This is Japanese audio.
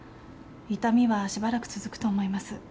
痛みはしばらく続くと思います。